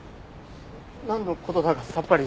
なんの事だかさっぱり。